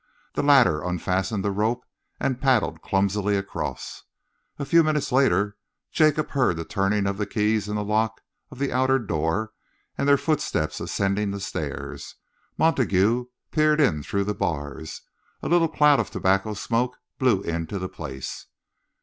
The latter unfastened the rope and paddled clumsily across. A few minutes later, Jacob heard the turning of the keys in the lock of the outer door and their footsteps ascending the stairs. Montague peered in through the bars. A little cloud of tobacco smoke blew into the place.